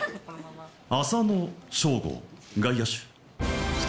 浅野翔吾、外野手。